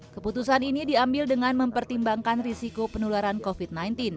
keputusan ini diambil dengan mempertimbangkan risiko penularan covid sembilan belas